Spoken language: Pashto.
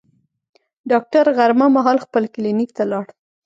ډاکټر غرمه مهال خپل کلینیک ته لاړ.